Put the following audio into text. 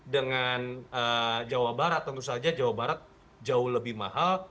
dengan jawa barat tentu saja jawa barat jauh lebih mahal